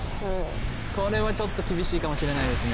これはちょっと厳しいかもしれないですね。